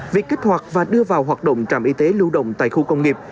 việc kích hoạt và đưa vào hoạt động trạm y tế lưu động tại khu công nghiệp